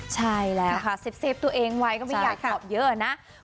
ใช่แล้วค่ะเซฟตัวเองไว้ก็ไม่อยากตอบเยอะนะ